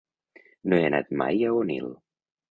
No he anat mai a Onil.